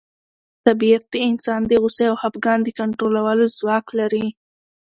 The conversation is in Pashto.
طبیعت د انسان د غوسې او خپګان د کنټرولولو ځواک لري.